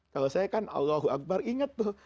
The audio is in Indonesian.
kalau saya kan allahu akbar inget tuh